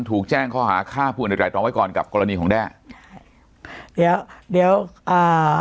ถูกแจ้งข้อหาฆ่าผู้อื่นรายตรองไว้ก่อนกับกรณีของแด้เดี๋ยวเดี๋ยวอ่า